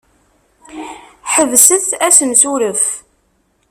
Ḥebset assensuref.